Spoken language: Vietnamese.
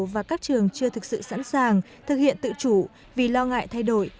và các trường chưa thực sự sẵn sàng thực hiện tự chủ vì lo ngại thay đổi